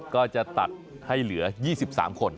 ก็จะตัดให้เหลือ๒๓คน